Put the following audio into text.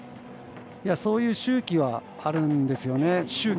そういう周期はあるんですよね。